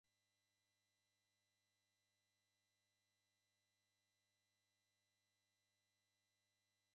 Para más información, ver Juicios criminales de LaRouche.